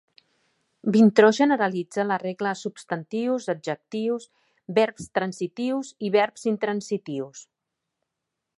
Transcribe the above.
Vintró generalitza la regla a substantius, adjectius, verbs transitius i verbs intransitius.